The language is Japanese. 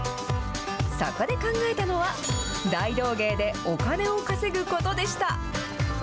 そこで考えたのは、大道芸でお金を稼ぐことでした。